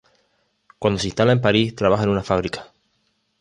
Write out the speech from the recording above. Cuando se instala en París trabaja en una fábrica.